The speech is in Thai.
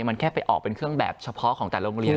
มันแค่ไปออกเป็นเครื่องแบบเฉพาะของแต่โรงเรียน